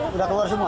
sudah keluar semua